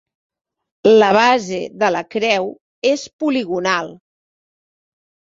La base de la creu és poligonal.